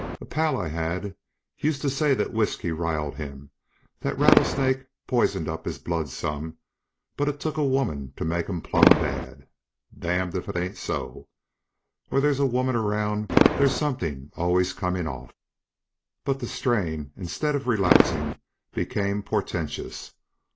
A pal I had used to say thet whiskey riled him, thet rattlesnake pisen het up his blood some, but it took a woman to make him plumb bad. D n if it ain't so. When there's a woman around there's somethin' allus comin' off." But the strain, instead of relaxing, became portentous.